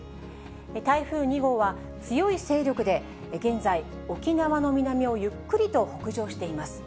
台風２号は、強い勢力で現在、沖縄の南をゆっくりと北上しています。